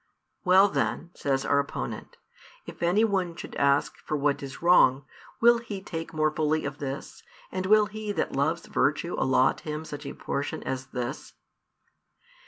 "Well then," says our opponent," if any one should ask for what is wrong, will He take more fully of this, and will He that loves virtue allot him such a portion as this?"